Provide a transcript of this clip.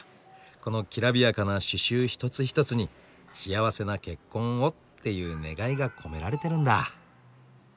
このきらびやかな刺しゅう一つ一つに「幸せな結婚を」っていう願いが込められてるんだ。